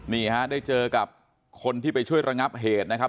นี่ฮะได้เจอกับคนที่ไปช่วยระงับเหตุนะครับ